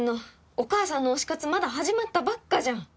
お母さんの推し活まだ始まったばっかじゃん！